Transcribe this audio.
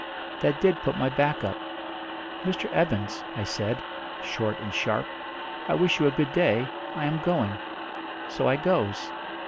That did put my back up. 'Mr. Evans,' I said, short and sharp, 'I wish you a good day. I am going.' So I goes.